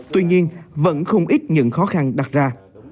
tuy nhiên vẫn không ít những khó khăn đặt ra